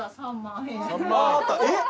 えっ？